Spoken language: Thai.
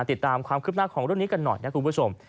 ติดตามความคืบหน้าของเรื่องนี้กันหน่อยนะคุณผู้ชม